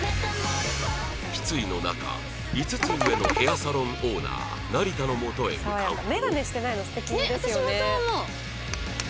失意の中５つ上のヘアサロンオーナー成田のもとへ向かうと来た！